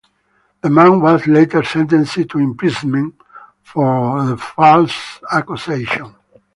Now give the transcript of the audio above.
The man was later sentenced to imprisonment for the false accusation.